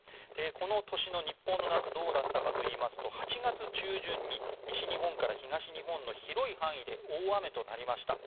この年の日本の夏はどうだったかといいますと８月中旬に西日本から東日本の広い範囲で大雨となりました。